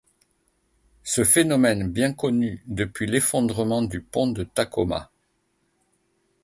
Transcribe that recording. Ce phénomène bien connu depuis l'effondrement du pont de Tacoma.